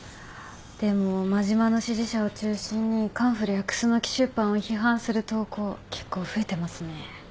でも真島の支持者を中心に『カンフル』やクスノキ出版を批判する投稿結構増えてますね。